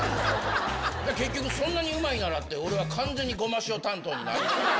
結局、そんなにうまいならって、俺は完全に、ごましお担当になる。